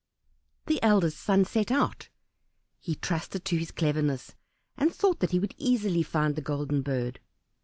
The eldest son set out; he trusted to his cleverness, and thought that he would easily find the Golden Bird.